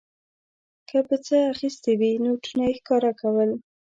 که په څه اخیستې وې نوټونه یې ښکاره کول.